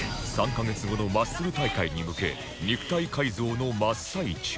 ３カ月後のマッスル大会に向け肉体改造の真っ最中